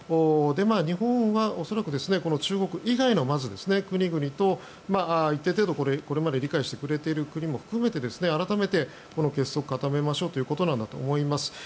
日本は恐らく中国以外の国々と一定程度、これまで理解してくれている国も含めて改めて結束を固めましょうということなんだと思います。